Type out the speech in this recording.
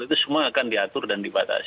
itu semua akan diatur dan dibatasi